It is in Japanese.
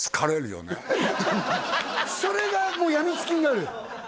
それがもう病みつきになる？